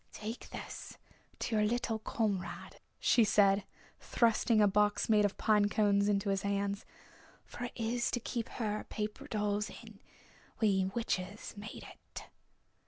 "Take this to your little comrade," shes said, thrusting a box made of pine cones into his hands. "It's for her to keep her paper dolls in. We witches made it."